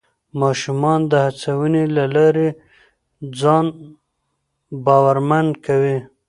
ماشومان د هڅونې له لارې ځان باورمن کوي